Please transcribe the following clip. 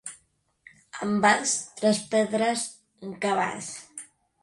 En Bas, tres pedres, un cabàs.